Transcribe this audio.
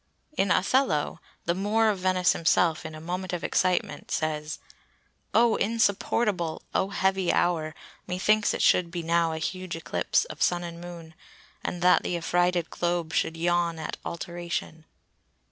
In Othello, the Moor of Venice himself, in a moment of excitement, says:— "O, insupportable! O, heavy hour! Methinks it should be now a huge eclipse Of Sun and Moon, and that the affrighted globe Should yawn at alteration."